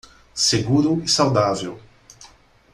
Seguro e saudável